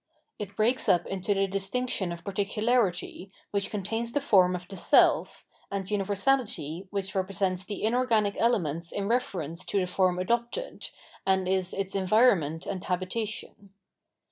It breaks up into the distinction of particularity, which contains the form of the self, and universality, which represents the inorganic elements in reference to the form adopted, and is its environment and habitation.